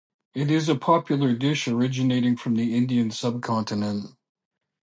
It is a popular dish originating from the Indian subcontinent.